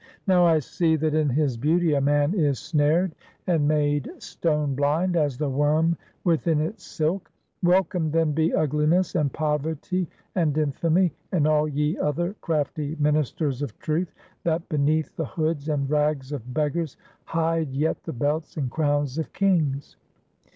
Now I see that in his beauty a man is snared, and made stone blind, as the worm within its silk. Welcome then be Ugliness and Poverty and Infamy, and all ye other crafty ministers of Truth, that beneath the hoods and rags of beggars hide yet the belts and crowns of kings.